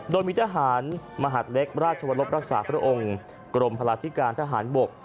โดยมีทหารมหาดเล็กราชวรบรักษาพระองค์กรมพลาธิการทหารบก